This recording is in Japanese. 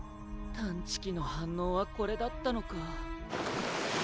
探知機の反応はこれだったのか。